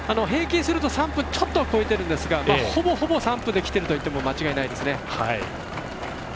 平均すると３分ちょっと超えてるんですがほぼほぼ３分できてるといって間違いないですね。